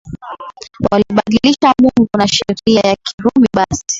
walibadilisha Mungu na Sheria ya Kirumi basi